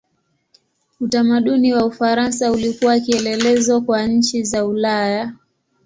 Utamaduni wa Ufaransa ulikuwa kielelezo kwa nchi za Ulaya.